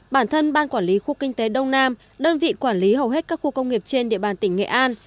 bản thân ban quản lý khu kinh tế đông nam đơn vị quản lý hầu hết các khu công nghiệp trên địa bàn tỉnh nghệ an